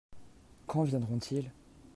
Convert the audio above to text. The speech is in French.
Quand viendront-ils ?